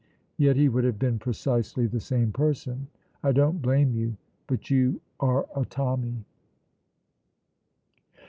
Yet he would have been precisely the same person. I don't blame you, but you are a Tommy.